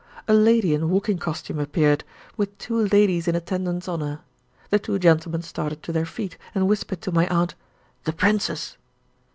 A lady in walking costume appeared, with two ladies in attendance on her. The two gentlemen started to their feet, and whispered to my aunt, "The Princess!"